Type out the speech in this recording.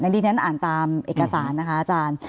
ดิฉันอ่านตามเอกสารนะคะอาจารย์